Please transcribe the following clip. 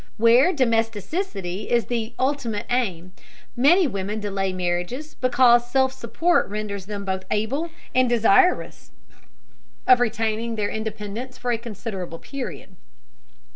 Where domesticity is the ultimate aim, many women delay marriage because self support renders them both able and desirous of retaining their independence for a considerable period.